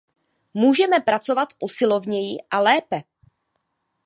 Můžeme pracovat usilovněji a lépe.